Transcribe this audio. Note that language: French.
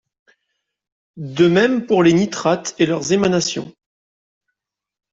De même pour les nitrates et leurs émanations.